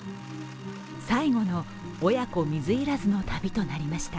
最後の親子水入らずの旅となりました。